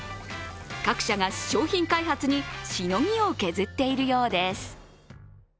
各社が商品開発にしのぎを削っているようです。